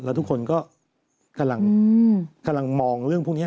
แล้วทุกคนก็กำลังมองเรื่องพวกนี้